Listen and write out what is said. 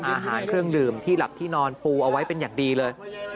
อาหารเครื่องดื่มที่หลับที่นอนปูเอาไว้เป็นอย่างดีเลย